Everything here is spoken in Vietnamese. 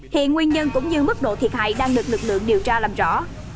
hiện nguyên nhân cũng như mức độ thiệt hại đang được lực lượng điều tra làm rõ